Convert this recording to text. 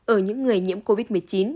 ở những người nhiễm covid một mươi chín